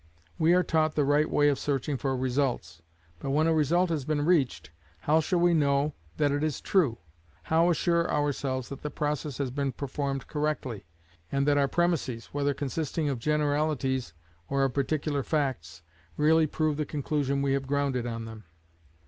We are taught the right way of searching for results, but when a result has been reached, how shall we know that it is true? How assure ourselves that the process has been performed correctly, and that our premises, whether consisting of generalities or of particular facts, really prove the conclusion we have grounded on them?